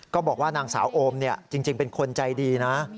ก็บอกว่านางสาวโอมจริงเป็นคนใจดีนะ